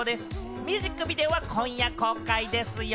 ミュージックビデオは今夜公開ですよ。